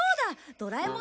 ドラえもん！